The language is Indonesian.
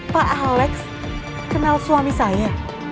pak alex kenal suami saya